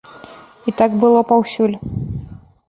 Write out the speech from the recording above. І так было паўсюль!